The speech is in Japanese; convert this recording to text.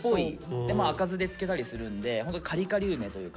赤酢で漬けたりするんでホントにカリカリ梅というか。